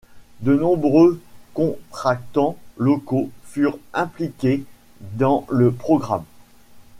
De nombreux contractants locaux furent impliqués dans le programme.